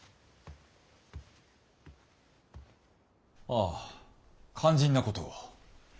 あ肝心なことを。